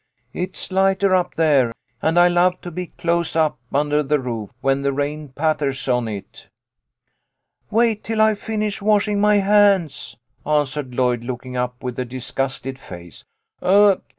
"It's lighter up there, and I love to be close up under the roof when the rain patters on it." " Wait till I finish washing my hands," answered Lloyd, looking up with a disgusted face. " Ugh